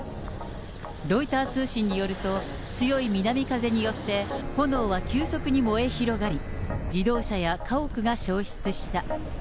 ロイター通信によると、強い南風によって、炎は急速に燃え広がり、自動車や家屋が焼失した。